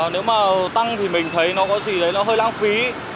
nếu mà tăng thì mình thấy nó có gì đấy nó hơi lãng phí